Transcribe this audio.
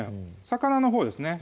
魚のほうですね